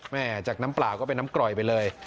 จากน้ำเปล่าก็เป็นน้ำกร่อยไปเลย